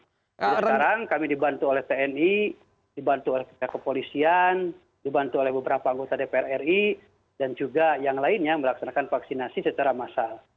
sekarang kami dibantu oleh tni dibantu oleh pihak kepolisian dibantu oleh beberapa anggota dpr ri dan juga yang lainnya melaksanakan vaksinasi secara massal